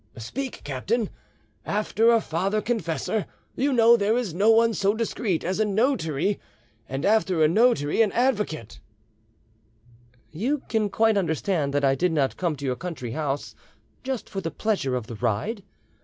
"Speak, captain. After a father confessor, you know there is no one so discreet as a notary, and after a notary an avocat." "You can quite understand that I did not come to your country house just for the pleasure of the ride.